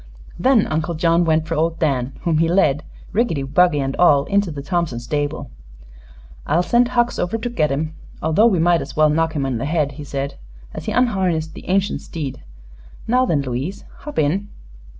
Then Uncle John went for old Dan, whom he led, rickety buggy and all, into the Thompson stable. "I'll send Hucks over to get him, although we might as well knock him in the head," he said as he unharnessed the ancient steed. "Now then, Louise, hop in."